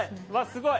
すごい。